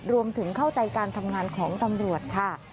รวมถึงเข้าใจการทำงานของตำรวจค่ะ